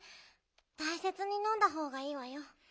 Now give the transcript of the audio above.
たいせつにのんだほうがいいわよ。